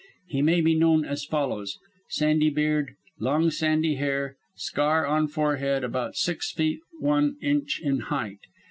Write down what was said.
He may be known as follows: Sandy beard, long sandy hair, scar on forehead, about six feet one inch in height.